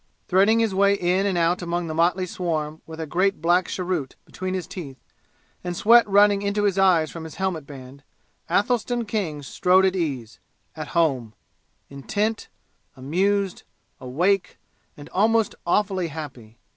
Threading his way in and out among the motley swarm with a great black cheroot between his teeth and sweat running into his eyes from his helmet band, Athelstan King strode at ease at home intent amused awake and almost awfully happy.